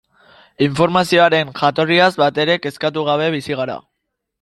Informazioaren jatorriaz batere kezkatu gabe bizi gara.